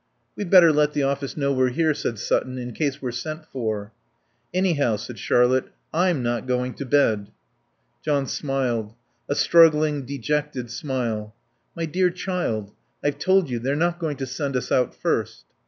"We'd better let the office know we're here," said Sutton, "in case we're sent for." "Anyhow," said Charlotte, "I'm not going to bed." John smiled. A struggling, dejected smile. "My dear child, I've told you they're not going to send us out first."